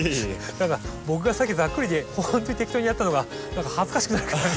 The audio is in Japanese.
何か僕がさっきざっくりでほんとに適当にやったのが何か恥ずかしくなるくらい。